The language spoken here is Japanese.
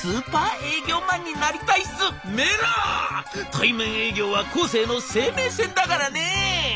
対面営業はコーセーの生命線だからね！」。